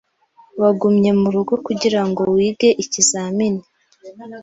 Wagumye murugo kugirango wige ikizamini?